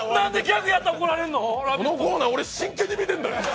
このコーナー、俺、真剣に見てるんや！